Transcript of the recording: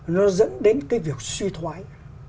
nó dẫn đến cái việc suy thoái